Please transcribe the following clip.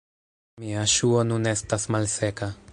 Mia ŝuo nun estas malseka